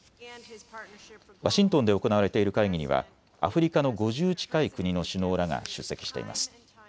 ワシントンで行われている会議にはアフリカの５０近い国の首脳らが出席しています。